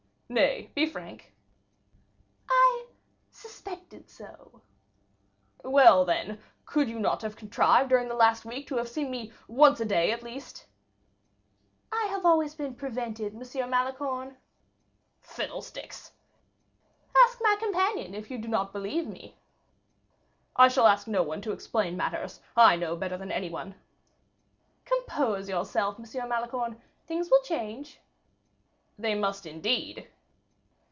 "Nay, be frank." "I suspected so." "Well, then, could you not have contrived during the last week to have seen me once a day, at least?" "I have always been prevented, M. Malicorne." "Fiddlesticks!" "Ask my companion, if you do not believe me." "I shall ask no one to explain matters, I know better than any one." "Compose yourself, M. Malicorne: things will change." "They must indeed."